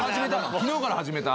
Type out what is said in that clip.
昨日から始めた？